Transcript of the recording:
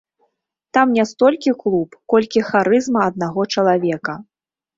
Там не столькі клуб, колькі харызма аднаго чалавека.